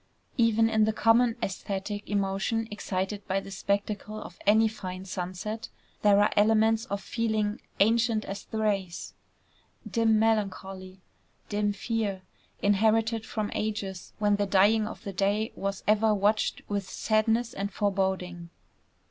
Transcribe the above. Even in the common æsthetic emotion excited by the spectacle of any fine sunset, there are elements of feeling ancient as the race, dim melancholy, dim fear, inherited from ages when the dying of the day was ever watched with sadness and foreboding.